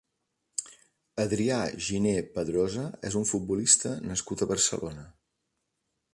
Adrià Giner Pedrosa és un futbolista nascut a Barcelona.